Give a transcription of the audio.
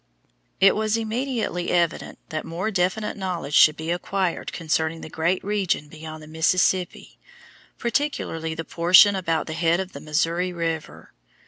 It was immediately evident that more definite knowledge should be acquired concerning the great region beyond the Mississippi, particularly the portion about the head of the Missouri River.